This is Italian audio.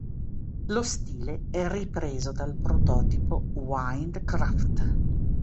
Lo stile è ripreso dal prototipo Wind Craft.